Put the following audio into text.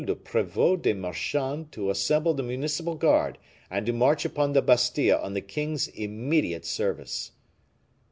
le Prevot des Marchands to assemble the municipal guard and to march upon the Bastile on the king's immediate service."